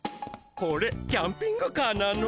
これキャンピングカーなの？